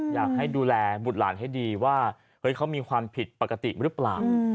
อยากให้ดูแลบุตรหลานให้ดีว่าเฮ้ยเขามีความผิดปกติหรือเปล่า